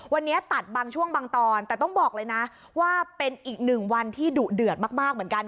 วันนี้ตัดบางช่วงบางตอนแต่ต้องบอกเลยนะว่าเป็นอีกหนึ่งวันที่ดุเดือดมากเหมือนกัน